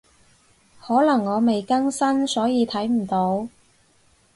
可能我未更新，所以睇唔到